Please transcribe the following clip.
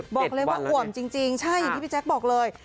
บอกเลยว่าอ่วมจริงใช่อย่างที่พี่แจ๊คบอกเลย